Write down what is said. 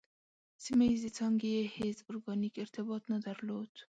سیمه ییزې څانګې یې هېڅ ارګانیک ارتباط نه درلود.